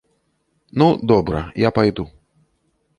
Ну, добра, я пайду.